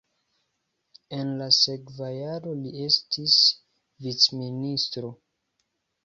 En la sekva jaro li estis vicministro.